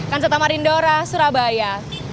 kanseta marindora surabaya